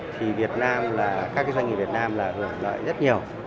thì các doanh nghiệp việt nam là hưởng lợi rất nhiều